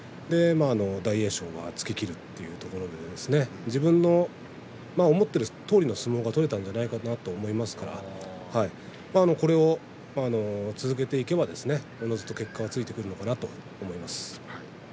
大栄翔は突ききるというところで自分の思ってるとおりの相撲が取れたんじゃないかなと思いますからこれを続けていけばおのずと結果はついてくるのかなと思います。